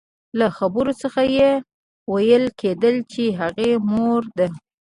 له خبرو څخه يې ويل کېدل چې هغې مور ده.